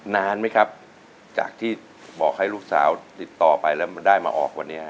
นานไหมครับจากที่บอกให้ลูกสาวติดต่อไปแล้วได้มาออกวันนี้